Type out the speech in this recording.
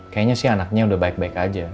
kayaknya sih anaknya udah baik baik aja